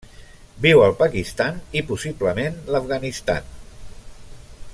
Viu al Pakistan i, possiblement, l'Afganistan.